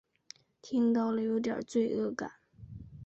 听到了有点罪恶感